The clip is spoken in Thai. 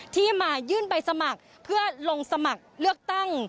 ที่มายื่นใบสมัครเพื่อลงสมัครเลือกตั้ง